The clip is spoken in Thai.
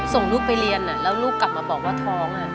ส่งลูกไปเรียนแล้วลูกกลับมาบอกว่าท้อง